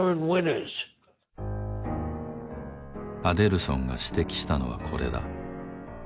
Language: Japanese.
アデルソンが指摘したのはこれだ。